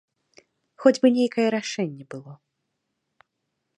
Хоць бы нейкае рашэнне было.